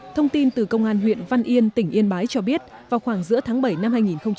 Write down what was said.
thông tin từ công an huyện văn yên tỉnh yên bái cho biết vào khoảng giữa tháng bảy năm hai nghìn hai mươi ba